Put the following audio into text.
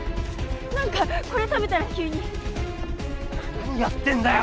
何かこれ食べたら急に何やってんだよ